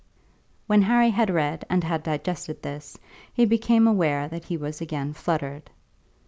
When Harry had read and had digested this, he became aware that he was again fluttered.